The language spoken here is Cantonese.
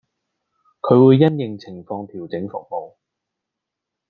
佢會因應情況調整服務